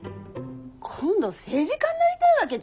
今度政治家になりたいわけ？